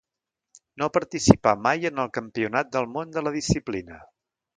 No participà mai en el Campionat del Món de la disciplina.